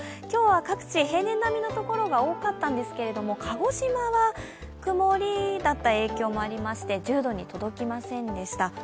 今日は各地、平年並みのところが多かったんですけれども、鹿児島は曇りだった影響もありまして１０度に届きませんでした。